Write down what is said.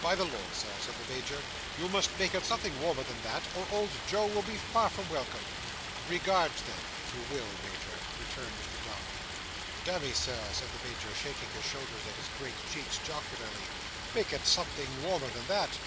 "By the Lord, Sir," said the Major, "you must make it something warmer than that, or old Joe will be far from welcome." "Regards then, if you will, Major," returned Mr Dombey. "Damme, Sir," said the Major, shaking his shoulders and his great cheeks jocularly: "make it something warmer than that."